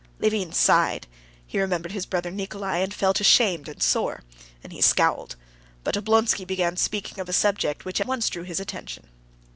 Levin sighed. He remembered his brother Nikolay, and felt ashamed and sore, and he scowled; but Oblonsky began speaking of a subject which at once drew his attention.